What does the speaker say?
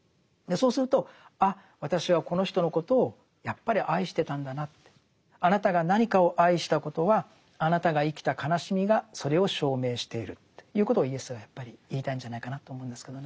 そうするとあっ私はこの人のことをやっぱり愛してたんだなって。あなたが何かを愛したことはあなたが生きた悲しみがそれを証明しているということをイエスはやっぱり言いたいんじゃないかなと思うんですけどね。